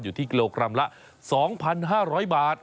อยู่ที่กิโลกรัมละ๒๕๐๐บาท